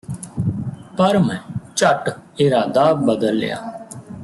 ਪਰ ਮੈਂ ਝੱਟ ਇਰਾਦਾ ਬਦਲ ਲਿਆ